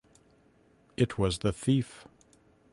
It was the thief.